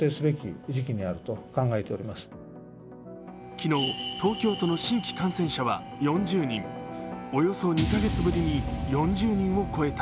昨日、東京都の新規感染者は４０人およそ２カ月ぶりに４０人を超えた。